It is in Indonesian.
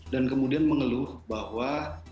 dan kemudian mengeluh bahwa